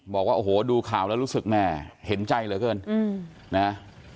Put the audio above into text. บอกว่าโอ้โหดูข่าวแล้วรู้สึกแม่เห็นใจเหลือเกินนะ